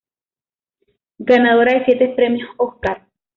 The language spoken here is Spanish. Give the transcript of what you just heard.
Ganadora de siete premios Óscar.